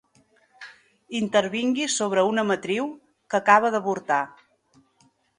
Intervingui sobre una matriu que acaba d'avortar.